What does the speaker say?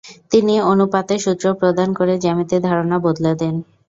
তিনি অনুপাতের সূত্র প্রদান করে জ্যামিতির ধারণা বদলে দেন।